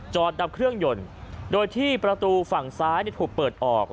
ดับเครื่องยนต์โดยที่ประตูฝั่งซ้ายถูกเปิดออก